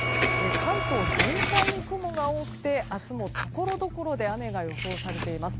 関東全体に雲が多くて明日もところどころで雨が予想されています。